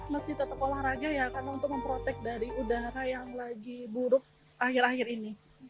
mesti tetap olahraga ya karena untuk memprotek dari udara yang lagi buruk akhir akhir ini